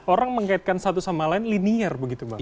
orang mengaitkan satu sama lain linear begitu banget